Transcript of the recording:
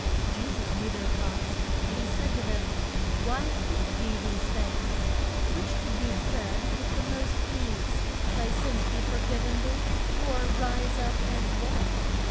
Je sus knew their thoughts, and he said to them, Why think ye these things? Which could be said with the most ease, Thy sins be for giv en thee, or Rise up and walk?